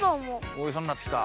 おいしそうになってきた。